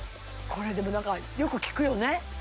これでも何かよく聞くよね